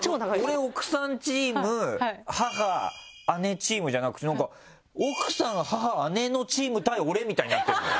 俺奥さんチーム母姉チームじゃなくてなんか奥さん母姉のチーム対俺みたいになってるの。